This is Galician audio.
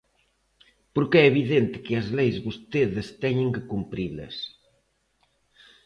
Porque é evidente que as leis vostedes teñen que cumprilas.